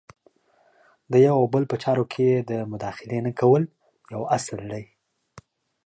د یو او بل په چارو کې د مداخلې نه کول یو اصل دی.